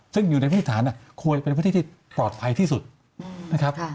ซึ่งอยู่ในพื้นฐานควรเป็นพื้นที่ที่ปลอดภัยที่สุดนะครับ